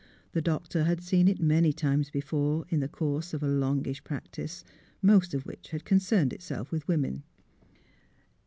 The doctor had seen it many times before in the course of a long ish practice, most of which had concerned itself with women.